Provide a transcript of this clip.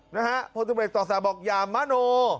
นะฮะพนตร์บัตรเอกสาเบาะอย่ามอน่อ